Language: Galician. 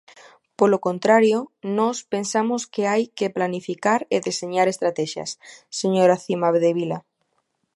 Polo contrario, nós pensamos que hai que planificar e deseñar estratexias, señora Cimadevila.